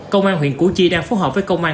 công an huyện củ chi đang phối hợp với công an